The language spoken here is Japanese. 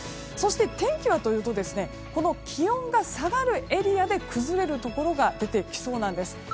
そして、天気は気温が下がるエリアで崩れるところが出てきそうです。